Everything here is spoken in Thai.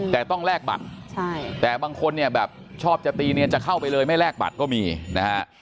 แต่ต้องแลกบัตรแต่บางคนเนี่ยแบบชอบจะตีเนียนจะเข้าไปเลยไม่แลกบัตรก็มีนะฮะ